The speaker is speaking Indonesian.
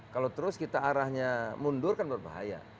kalau terus kita arahnya mundur kan berbahaya